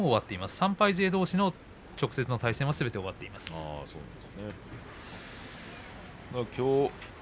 ３敗勢どうしの直接の対戦はすべて終わっています。